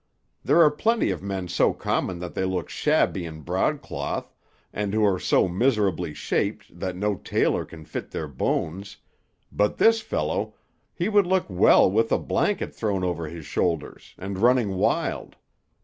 There are plenty of men so common that they look shabby in broadcloth, and who are so miserably shaped that no tailor can fit their bones; but this fellow he would look well with a blanket thrown over his shoulders, and running wild.